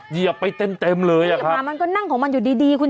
เยียบไปเต้นเต็มเลยค่ะคุณชนะมันก็นั่งของมันอยู่ดี